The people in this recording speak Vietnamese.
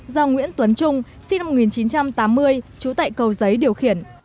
do nguyễn tuấn trung sinh năm một nghìn chín trăm tám mươi trú tại cầu giấy điều khiển